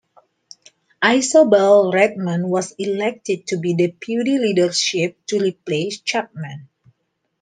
Isobel Redmond was elected to the deputy leadership to replace Chapman.